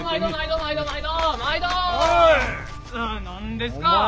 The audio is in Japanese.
何ですか。